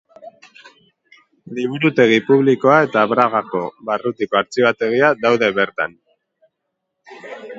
Liburutegi publikoa eta Bragako barrutiko artxibategia daude bertan.